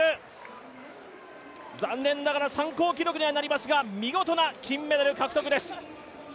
残念ながら参考記録にはなりますが見事な金メダル獲得です。